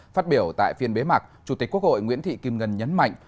phát biểu tại phiên bế mạc chủ tịch quốc hội nguyễn thị kim ngân nhấn mạnh